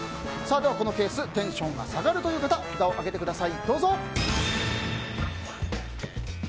では、このケーステンションが下がるという方札を上げてください。